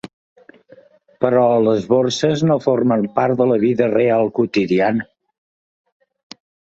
Però les borses no formen part de la vida real quotidiana.